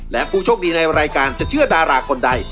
และผู้โชคดีในรายการจะเชื่อดาราคนใด